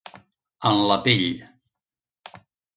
En la pell.